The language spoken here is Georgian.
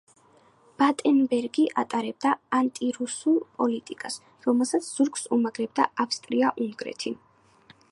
ბატენბერგი ატარებდა ანტირუსულ პოლიტიკას, რომელსაც ზურგს უმაგრებდა ავსტრია-უნგრეთი.